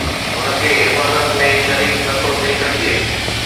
هن کي عبادت ۾ شريڪ نه ٿو چئي سگهجي